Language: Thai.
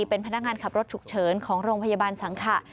เป็นพนักงานขับรถฉุกเฉินของโรงพยาบาลสังขะ